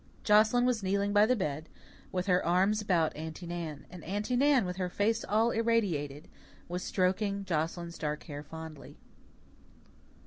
Joscelyn was kneeling by the bed, with her arms about Aunty Nan; and Aunty Nan, with her face all irradiated, was stroking Joscelyn's dark hair fondly.